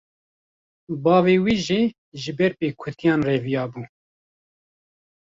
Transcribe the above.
Bavê wî jî, ji ber pêkutiyan reviya bû